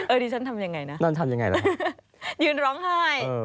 เออที่ฉันทำอย่างไรนะยืนร้องไห้